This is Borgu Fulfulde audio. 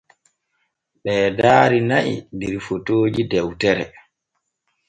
Ɓee daari na’i der fotooji dewtere.